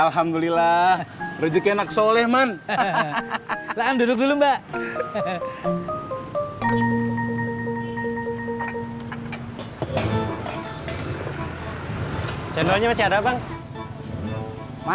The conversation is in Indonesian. sampai jumpa di video selanjutnya